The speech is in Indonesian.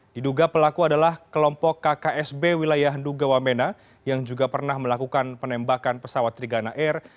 diduga pelaku adalah kelompok kksb wilayah ndugawamena yang juga pernah melakukan penembakan pesawat trigana air